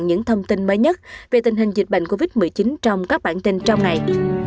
những thông tin mới nhất về tình hình dịch bệnh covid một mươi chín trong các bản tin trong ngày